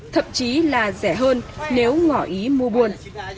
thậm chí là rẻ hơn nếu ngỏ ý mua buôn